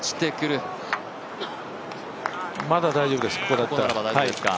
まだ大丈夫です